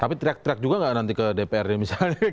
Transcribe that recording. tapi track juga gak nanti ke dprd misalnya